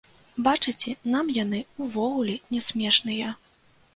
Бачыце, нам яны ўвогуле не смешныя.